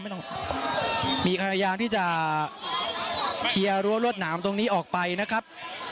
มีความพยายามที่จะเคลียร์รั้วรถน้ำตรงนี้ออกไปนะครับ